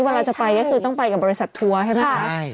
เวลาจะไปก็คือต้องไปกับบริษัททัวร์ใช่ไหมคะ